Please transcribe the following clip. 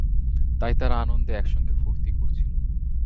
তাই তারা আনন্দে একসঙ্গে ফুর্তি করছিলো।